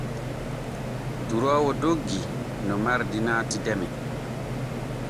Duroowo doggi no mardi naati deme.